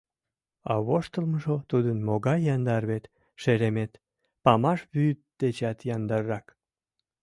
А воштылмыжо тудын могай яндар вет, шеремет — памаш вӱд дечат яндаррак.